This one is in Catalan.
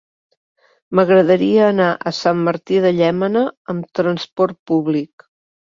M'agradaria anar a Sant Martí de Llémena amb trasport públic.